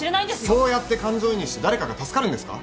そうやって感情移入して誰かが助かるんですか？